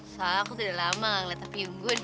soalnya aku tidak lama gak ngeliat api ungu nih